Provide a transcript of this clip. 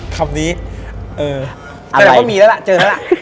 คำนี้เออแสดงว่ามีแล้วล่ะเจอแล้วล่ะ